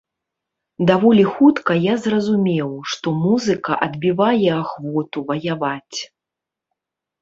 Даволі хутка я зразумеў, што музыка адбівае ахвоту ваяваць.